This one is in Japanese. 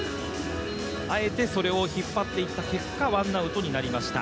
あえてそれを引っ張っていった結果ワンアウトになりました。